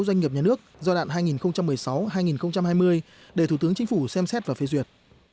doanh nghiệp nhà nước giai đoạn hai nghìn một mươi sáu hai nghìn hai mươi để thủ tướng chính phủ xem xét và phê duyệt